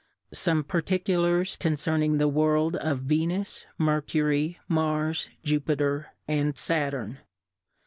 Some PartkuJdrs concerning the World of Venus, Mercury, Mars, Jupiter, and Saturn.